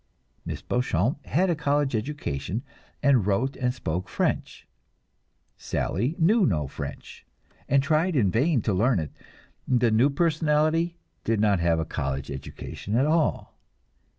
Miss Beauchamp had a college education, and wrote and spoke French; Sally knew no French, and tried in vain to learn it; the new personality did not have a college education at all.